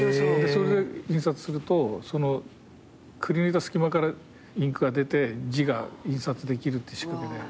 それで印刷するとそのくりぬいた隙間からインクが出て字が印刷できるって仕掛けで。